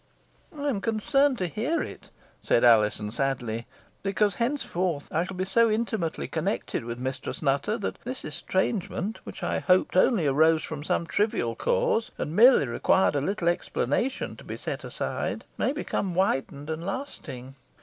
"I am concerned to hear it," said Alizon, sadly, "because henceforth I shall be so intimately connected with Mistress Nutter, that this estrangement, which I hoped arose only from some trivial cause, and merely required a little explanation to be set aside, may become widened and lasting.